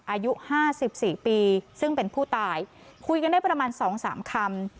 อายุห้าสิบสี่ปีซึ่งเป็นผู้ตายคุยกันได้ประมาณ๒๓คำ